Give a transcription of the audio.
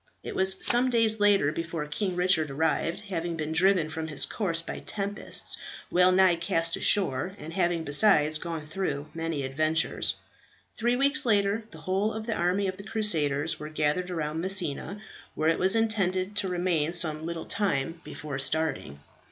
It was some days later before King Richard arrived, having been driven from his course by tempests, well nigh cast ashore, and having besides gone through many adventures. Three weeks later, the whole of the army of the Crusaders were gathered around Messina, where it was intended to remain some little time before starting.